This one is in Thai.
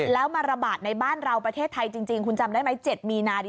แล้วมาระบาดในบ้านเราประเทศไทยจริงคุณจำได้ไหม๗มีนาดี